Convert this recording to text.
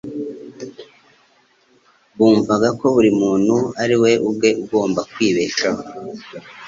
bumvaga ko buri muntu ari we ubwe ugomba kwibeshaho,